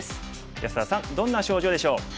安田さんどんな症状でしょう？